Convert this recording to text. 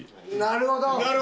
なるほど！